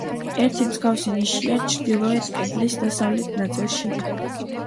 ერთი მსგავსი ნიშია ჩრდილოეთ კედლის დასავლეთ ნაწილში.